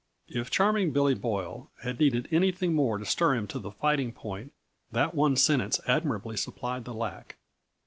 If Charming Billy Boyle had needed anything more to stir him to the fighting point, that one sentence admirably supplied the lack.